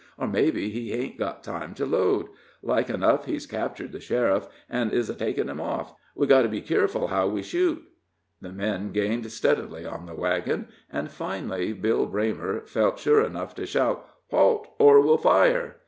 "Or mebbe he hain't got time to load. Like enough he's captured the sheriff, an' is a takin him off. We've got to be keerful how we shoot." The men gained steadily on the wagon, and finally Bill Braymer felt sure enough to shout: "Halt, or we'll fire!"